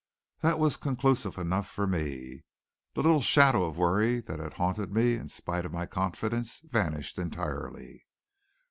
That was conclusive enough for me. The little shadow of worry that had haunted me in spite of my confidence vanished entirely.